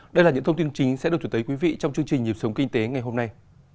đây là những thông tin chính sẽ được chủ tấy quý vị trong chương trình nhịp sống kinh tế ngày hôm nay